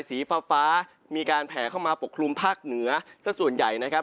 สีฟ้าฟ้ามีการแผลเข้ามาปกคลุมภาคเหนือสักส่วนใหญ่นะครับ